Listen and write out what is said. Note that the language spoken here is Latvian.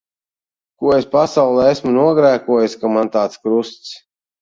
Ko es pasaulē esmu nogrēkojusi, ka man tāds krusts.